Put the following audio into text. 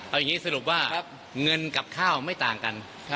เอาอย่างนี้สรุปว่าเงินกับข้าวไม่ต่างกัน